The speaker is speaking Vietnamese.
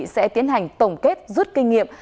sẽ tiến hành tổng kết rút kinh nghiệm